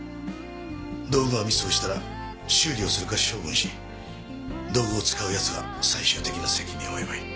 道具がミスをしたら修理をするか処分し道具を使う奴が最終的な責任を負えばいい。